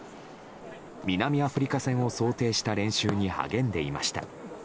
南アフリカ戦を想定した練習に励んでいました。